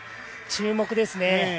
注目ですね。